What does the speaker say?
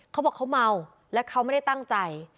เขาบอกเขาเมาและเขาไม่ได้ตั้งใจ